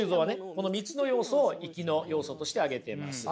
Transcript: この３つの要素をいきの要素として挙げてます。